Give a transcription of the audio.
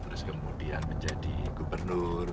terus kemudian menjadi gubernur